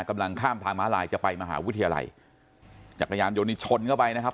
กำลังข้ามทางม้าลายจะไปมหาวิทยาลัยจักรยานยนต์นี้ชนเข้าไปนะครับ